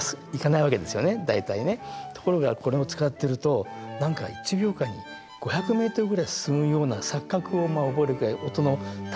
ところがこれを使ってると何か１秒間に５００ｍぐらい進むような錯覚を覚えるぐらい音の立ち上がりがいいんですね。